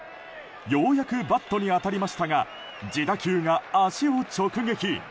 ようやくバットに当たりましたが自打球が足を直撃。